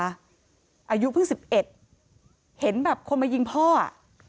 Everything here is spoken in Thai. อายุเพิ่งสิบเอ็ดเห็นแบบคนมายิงพ่ออะ